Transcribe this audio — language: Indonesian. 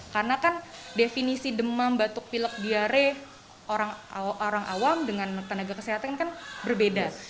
karena kan definisi demam batuk pilek atau diare orang awam dengan tenaga kesehatan kan berbeda